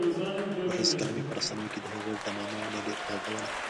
خو هېڅکله مې په رسنیو کې د هغه ډمامه ونه غږوله.